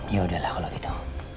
yaudahlah kalau gitu